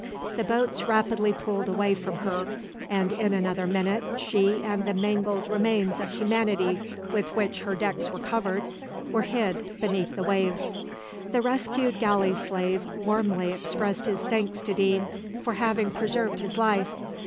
The boats rapidly pulled away from her, and in another minute she and the mangled remains of humanity with which her decks were covered were hid beneath the waves. The rescued galley slave warmly expressed his thanks to Deane for having preserved his life.